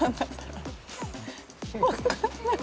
分かんない。